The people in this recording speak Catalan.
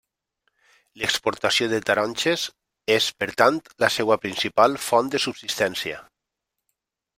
L'exportació de taronges és per tant la seva principal font de subsistència.